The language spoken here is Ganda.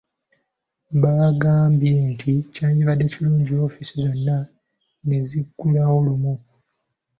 Baagambye nti kyandibadde kirungi ofiisi zonna ne ziggulawo lumu.